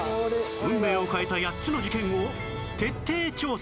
運命を変えた８つの事件を徹底調査。